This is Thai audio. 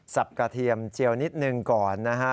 กระเทียมเจียวนิดหนึ่งก่อนนะฮะ